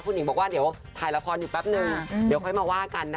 คุณหญิงบอกว่าเดี๋ยวถ่ายละครอยู่แป๊บนึงเดี๋ยวค่อยมาว่ากันนะคะ